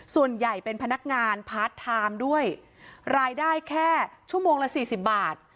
ส่วนใหญ่เป็นพนักงานพาร์ทไทม์ด้วยรายได้แค่ชั่วโมงละสี่สิบบาท